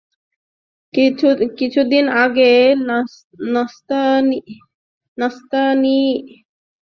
কিছুদিন আগে স্তানিস্লাস ভাভরিঙ্কার বান্ধবীকে নিয়ে বাজে মন্তব্য করে হইচই ফেলে দিয়েছেন।